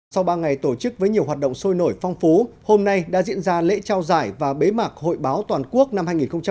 sau ba ngày tổ chức với nhiều hoạt động sôi nổi phong phú hôm nay đã diễn ra lễ trao giải và bế mạc hội báo toàn quốc năm hai nghìn hai mươi